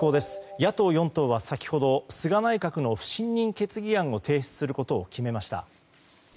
野党４党は先ほど、菅内閣の不信任決議案を提出することを決めました。